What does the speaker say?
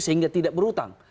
sehingga tidak berutang